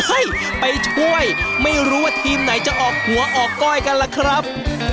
ไปช่วยไม่รู้ว่าทีมไหนจะออกหัวออกก้อยกันล่ะครับ